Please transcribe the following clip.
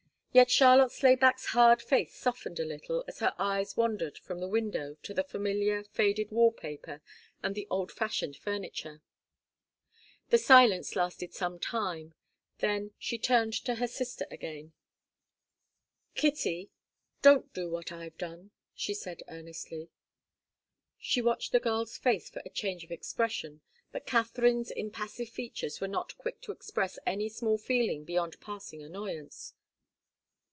Yet Charlotte Slayback's hard face softened a little as her eyes wandered from the window to the familiar, faded wall paper and the old fashioned furniture. The silence lasted some time. Then she turned to her sister again. [Illustration: "'Kitty don't do what I've done,' she said earnestly." Vol. I., p. 257.] "Kitty don't do what I've done," she said, earnestly. She watched the girl's face for a change of expression, but Katharine's impassive features were not quick to express any small feeling beyond passing annoyance.